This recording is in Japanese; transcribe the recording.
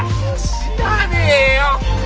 知らねえよ。